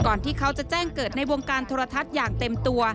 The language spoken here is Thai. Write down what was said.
ที่เขาจะแจ้งเกิดในวงการโทรทัศน์อย่างเต็มตัว